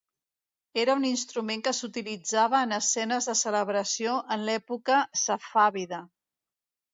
Era un instrument que s'utilitzava en escenes de celebració en l'època safàvida.